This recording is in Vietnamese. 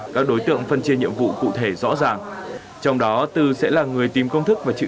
các đối tượng phân chia nhiệm vụ cụ thể rõ ràng trong đó tư sẽ là người tìm công thức và chịu